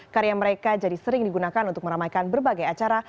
karya mereka jadi sering digunakan untuk meramaikan berbagai acara